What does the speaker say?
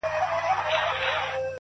• نه ستا زوی سي تر قیامته هېرېدلای,,!